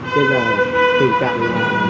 đây là tình trạng